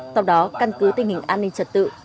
sau đó căn cứ tình hình an ninh trật tự